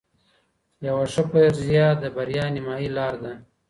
یوه ښه فرضیه د بریا نیمايي لار ده.